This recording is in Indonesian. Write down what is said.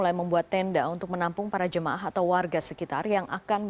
yang men recruiting berjalan riwayat saat perubahan